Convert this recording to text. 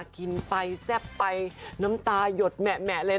กินไปแซ่บไปน้ำตายดแหมะเลย